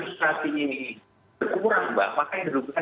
kurang banget makanya diperlukan masyarakat